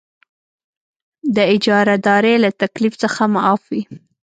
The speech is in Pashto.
د اجاره دارۍ له تکلیف څخه معاف وي.